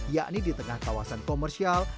yakni di tengah kawasan komersial